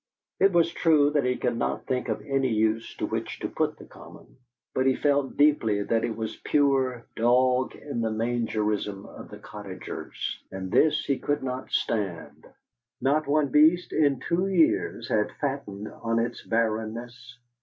It was true that he could not think of any use to which to put the Common, but he felt deeply that it was pure dog in the mangerism of the cottagers, and this he could not stand. Not one beast in two years had fattened on its barrenness.